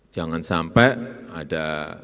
jangan sampai ada lihat anggaran untuk stunting